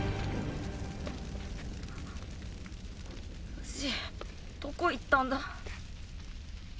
フシどこ行ったんだ。